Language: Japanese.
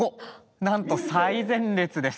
なんと最前列です。